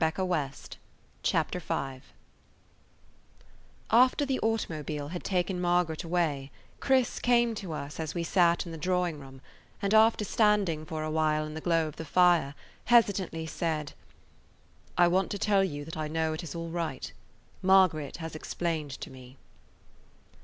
[Page 119] CHAPTER V AFTER the automobile had taken Margaret away Chris came to us as we sat in the drawing room, and, after standing for a while in the glow of the fire, hesitantly said: "I want to tell you that I know it is all right. Margaret has explained to me."